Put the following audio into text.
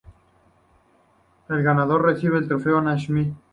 El ganador recibe el Trofeo Naismith.